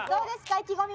意気込み。